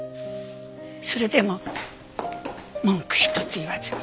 それでも文句一つ言わずに。